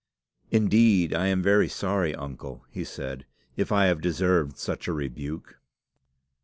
"Indeed, I am very sorry, uncle," he said, "if I have deserved such a rebuke."